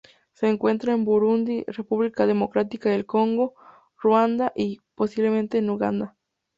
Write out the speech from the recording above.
Se encuentra en Burundi, República Democrática del Congo, Ruanda y, posiblemente en Uganda.